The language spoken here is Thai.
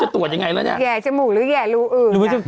แห่จมูกหรือแห่รูอึ่ง